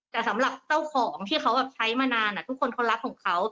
แต่สำหรับเจ้าของที่เขาใช้มานานทุกคนเขารักของเขา